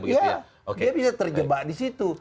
ya dia bisa terjebak di situ